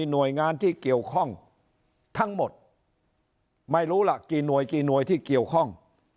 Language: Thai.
หน่วยงานที่เกี่ยวข้องทั้งหมดไม่รู้ล่ะกี่หน่วยกี่หน่วยที่เกี่ยวข้อง